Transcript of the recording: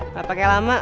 gak pake lama